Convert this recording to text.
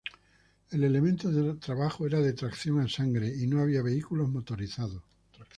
El elemento de trabajo era de tracción a sangre y no había vehículos motorizados.